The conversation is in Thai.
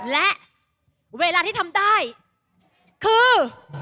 และเวลาที่ทำได้คือ